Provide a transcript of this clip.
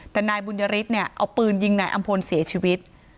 แต่นายบุญยฤทธิ์เนี่ยเอาปืนยิงนายอำพลเสียชีวิต